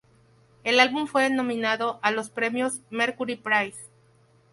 El álbum fue nominado a los premios "Mercury Prize".